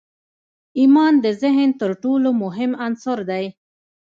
ایمان د ذهن تر ټولو مهم عنصر دی